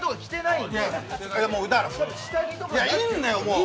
いいんだよ、もう。